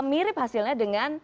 mirip hasilnya dengan